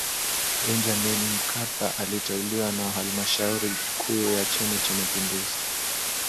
benjamin mkapa aliteuliwa na halmashauri kuu ya chama cha mapinduzi